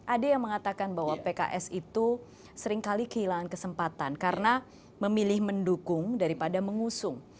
ada yang mengatakan bahwa pks itu seringkali kehilangan kesempatan karena memilih mendukung daripada mengusung